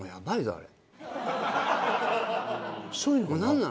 あれ。